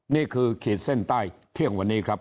นี่คือเขตเส้นใต้เที่ยงวันนี้ครับ